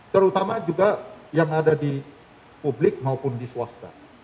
terutama juga yang ada di publik maupun di swasta